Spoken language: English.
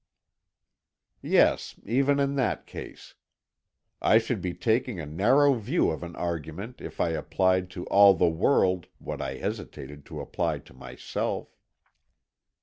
"Yes, even in that case. I should be taking a narrow view of an argument if I applied to all the world what I hesitated to apply to myself."